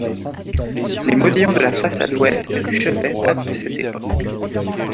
Les modillons de la façade ouest et du chevet datent de cette époque.